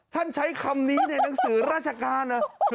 ใช้คำนี้ในหนังสือราชการ